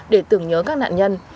để tưởng nhớ các nạn nhân